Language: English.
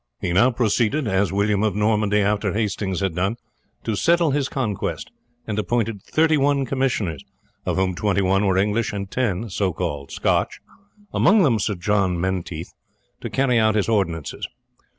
He now proceeded, as William of Normandy after Hastings had done, to settle his conquest, and appointed thirty one commissioners, of whom twenty one were English and ten so called Scotch, among them Sir John Menteith, to carry out his ordinances.